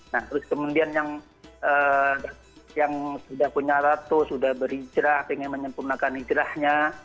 nah kemudian yang sudah punya tato sudah berhijrah pengen menyempurnakan hijrahnya